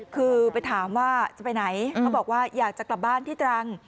คือไปถามว่าจะไปไหนเขาบอกว่าอยากจะกลับบ้านที่ตรัง